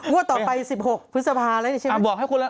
ต่อไป๑๖พฤษภาแล้วใช่ไหม